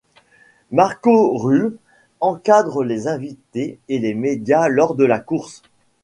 Marco Ruhl encadre les invités et les médias lors de la course.